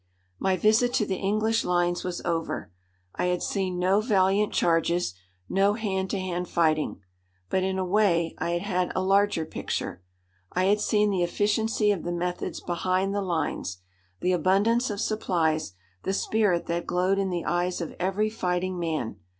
My visit to the English lines was over. I had seen no valiant charges, no hand to hand fighting. But in a way I had had a larger picture. I had seen the efficiency of the methods behind the lines, the abundance of supplies, the spirit that glowed in the eyes of every fighting man.